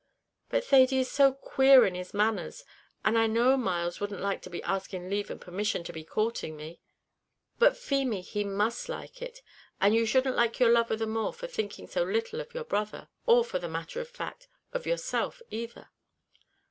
"But Thady is so queer in his manners; and I know Myles wouldn't like to be asking leave and permission to be courting me." "But, Feemy, he must like it; and you shouldn't like your lover the more for thinking so little of your brother, or, for the matter of that, of yourself either."